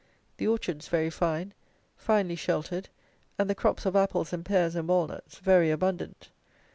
The orchards very fine; finely sheltered, and the crops of apples and pears and walnuts very abundant.